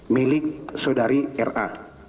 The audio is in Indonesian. milik saudari ra